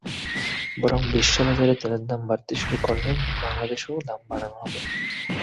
বরং বিশ্ববাজারে তেলের দাম বাড়তে শুরু করলে বাংলাদেশেও দাম বাড়ানো হবে।